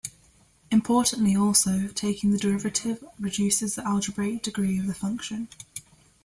Importantly also, taking the derivative reduces the algebraic degree of the function.